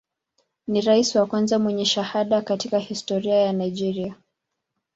Ni rais wa kwanza mwenye shahada katika historia ya Nigeria.